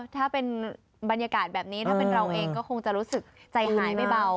ถ้าเป็นบรรยากาศแบบนี้ถ้าเป็นเราเองก็คงจะรู้สึกใจหายไม่เบา